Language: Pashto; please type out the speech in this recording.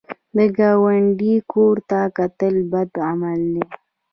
د ګاونډي کور ته کتل بد عمل دی